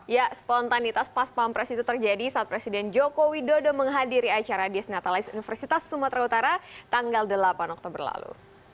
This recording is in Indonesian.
ya spontanitas pas pampres itu terjadi saat presiden joko widodo menghadiri acara disnatalis universitas sumatera utara tanggal delapan oktober lalu